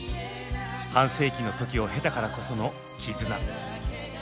半世紀の時を経たからこその「絆」。